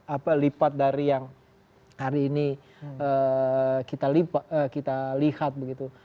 apa lipat dari yang hari ini kita lihat begitu